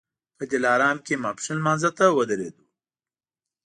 د دلارام کې ماسپښین لمانځه ته ودرېدو.